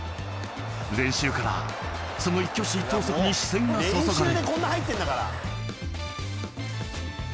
練習から、その一挙手一投足に視線が注がれた。